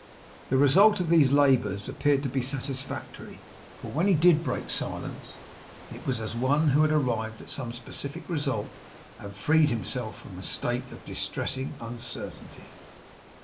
The result of these labours appeared to be satisfactory, for when he did break silence, it was as one who had arrived at some specific result, and freed himself from a state of distressing uncertainty.